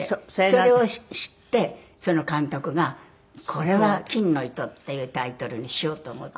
それを知ってその監督がこれは『金の糸』っていうタイトルにしようと思ったって。